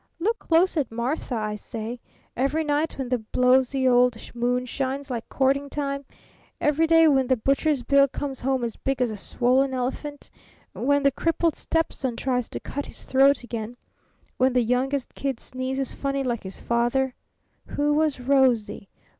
Look close at Martha, I say. Every night when the blowsy old moon shines like courting time, every day when the butcher's bill comes home as big as a swollen elephant, when the crippled stepson tries to cut his throat again, when the youngest kid sneezes funny like his father 'WHO WAS ROSIE?